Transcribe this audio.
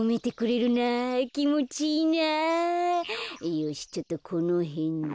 よしちょっとこのへんで。